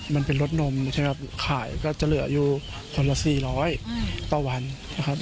มันเป็นรถนมใช่ไหมครับขายก็จะเหลืออยู่คนละ๔๐๐ต่อวันนะครับ